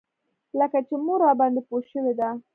لکه چې مور راباندې پوه شوې ده.